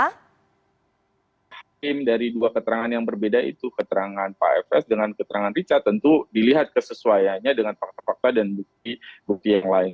hakim dari dua keterangan yang berbeda itu keterangan pak fs dengan keterangan richard tentu dilihat kesesuaiannya dengan fakta fakta dan bukti bukti yang lain